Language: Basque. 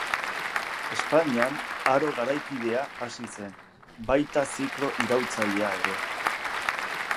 Espainian, Aro Garaikidea hasi zen, baita ziklo iraultzailea ere.